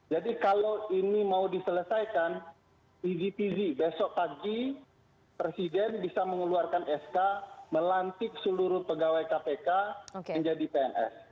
jadi kalau ini mau diselesaikan pizik pizik besok pagi presiden bisa mengeluarkan sk melantik seluruh pegawai kpk menjadi pns